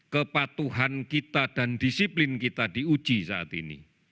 kepatuhan kita dan disiplin kita diuji saat ini